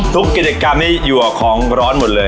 กิจกรรมนี้อยู่กับของร้อนหมดเลย